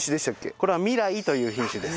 これは味来という品種です。